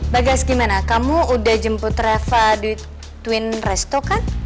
bagas gimana kamu udah jemput reva twin resto kan